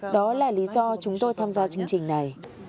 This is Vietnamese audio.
đó là lý do chúng tôi tham gia chương trình này